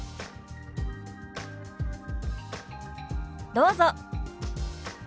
どうぞ。